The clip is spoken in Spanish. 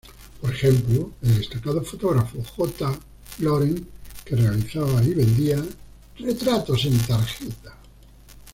Por ejemplo, el destacado fotógrafo J. Laurent, que realizaba y vendía "retratos en tarjeta".